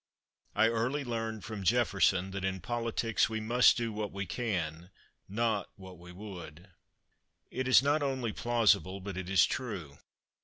"I early learned from Jefferson that in politics we must do what we can, not what we would." It is not only plausible, but it is true.